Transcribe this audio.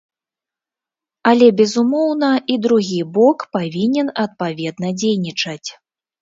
Але, безумоўна, і другі бок павінен адпаведна дзейнічаць.